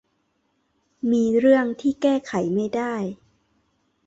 มีเรื่องที่แก้ไขไม่ได้